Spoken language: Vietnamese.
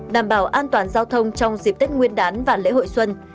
đảm bảo an toàn giao thông trong dịp tết nguyên đán và lễ hội xuân